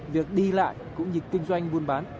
việc đi lại cũng như kinh doanh buôn bán